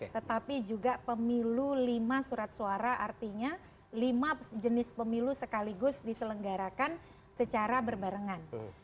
tetapi juga pemilu lima surat suara artinya lima jenis pemilu sekaligus diselenggarakan secara berbarengan